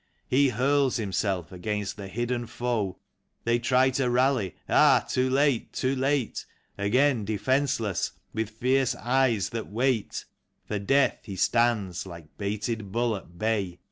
He hurls himself against the hidden foe. They try to rally — ah, too late, too late ! Again, defenceless, with fierce eyes that wait For death, he stands, like baited bull at bay.